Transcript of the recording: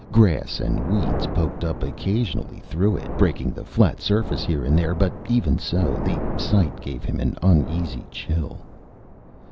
Grass and weeds poked up occasionally through it, breaking the flat surface here and there, but even so, the sight gave him an uneasy chill.